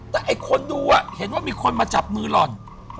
แต่ไอ้คนดูเห็นว่ามีคนมาจับมือหล่อน